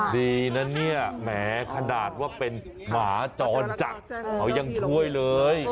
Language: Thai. ดีนะเนี่ยแหมขนาดว่าเป็นหมาจรจัดเขายังช่วยเลย